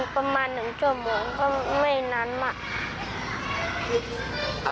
ประมาณ๑ช่วงหมดก็ไม่นานหมา